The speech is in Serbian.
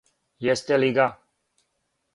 Јесте ли га?